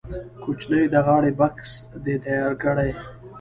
کوچنی د غاړې بکس دې تیار کړي.